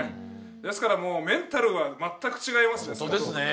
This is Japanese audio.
ですからもうメンタルは全く違いますね。